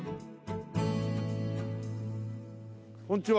こんにちは。